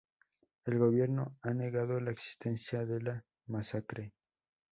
El gobierno ha negado la existencia de la masacre.